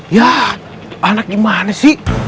yah anak gimana sih